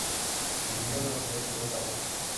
Vivió en lo que es hoy Japón.